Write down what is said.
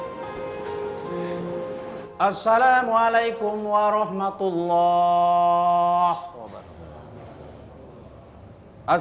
assalamualaikum warahmatullah wabarakatuh